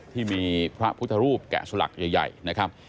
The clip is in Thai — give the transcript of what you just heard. ที่มีพระพุทธรูปแกะสลักใหญ่นะครับ